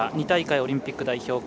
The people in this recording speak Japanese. ２大会オリンピック代表